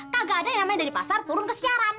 kagak ada yang namanya dari pasar turun ke siaran